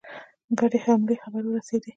ګډې حملې خبر ورسېدی.